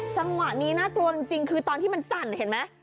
จังหวะนี้น่ากลัวจริงคือตอนที่มันสั่นเห็นไหม